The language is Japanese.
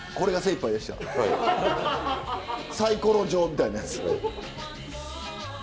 サイコロ状みたいなやつ。